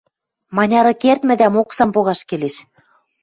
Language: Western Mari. Маняры кердмӹдӓм оксам погаш келеш.